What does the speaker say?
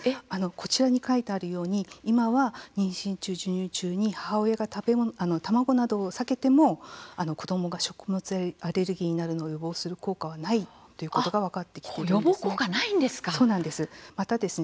こちらに書いてあるように今は、妊娠中、授乳中に母親が卵などを避けても子どもが食物アレルギーになるのを予防する効果はないということが分かってきています。